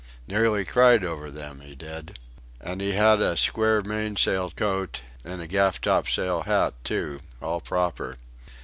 Nearly cried over them he did; and he had a square mainsail coat, and a gaff topsail hat too all proper.